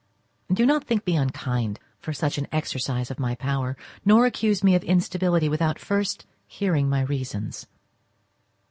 Do not think me unkind for such an exercise of my power, nor accuse me of instability without first hearing my reasons.